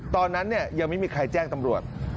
ตอนนั้นยังไม่มีใครแจ้งตำรวจ